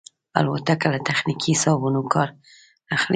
الوتکه له تخنیکي حسابونو کار اخلي.